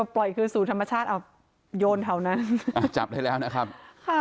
ปล่อยคืนสู่ธรรมชาติเอาโยนแถวนั้นอ่าจับได้แล้วนะครับค่ะ